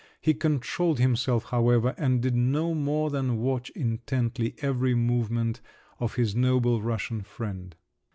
He controlled himself, however, and did no more than watch intently every movement of his noble Russian friend.